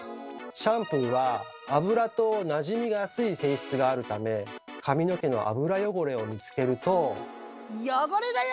シャンプーは油となじみやすい性質があるため髪の毛の油汚れを見つけると。